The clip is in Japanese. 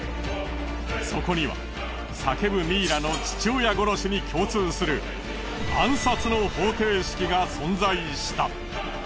そこには叫ぶミイラの父親殺しに共通する暗殺の方程式が存在した。